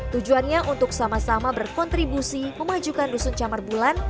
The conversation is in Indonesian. tujuannya untuk sama sama berkontribusi memajukan dusun camar bulan